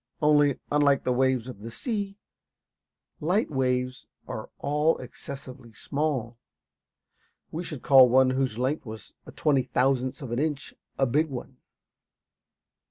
Only, unlike the waves of the sea, light waves are all excessively small. We should call one whose length was a twenty thousandth of an inch a big one!